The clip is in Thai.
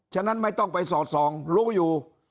ฉะนั้นไม่ต้องไปสอดส่องรู้อยู่